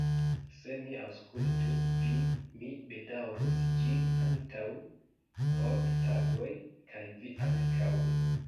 Se mi aŭskultus vin, mi bedaŭrus ĝin antaŭ ok tagoj, kaj vi ankaŭ.